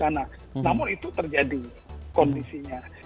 namun itu terjadi kondisinya